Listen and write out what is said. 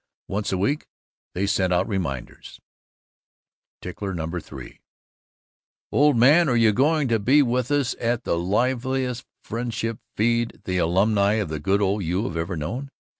Once a week they sent out reminders: TICKLER NO. 3 Old man, are you going to be with us at the livest Friendship Feed the alumni of the good old U have ever known?